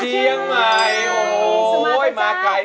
เชียงใหม่โอ้โหมาไกล